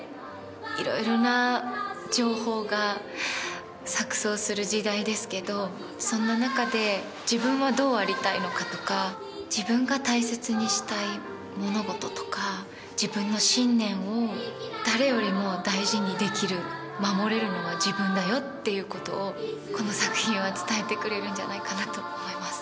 いろいろな情報が錯綜する時代ですけどそんな中で自分はどうありたいのかとか自分が大切にしたい物事とか自分の信念を誰よりも大事にできる守れるのは自分だよっていうことをこの作品は伝えてくれるんじゃないかなと思います。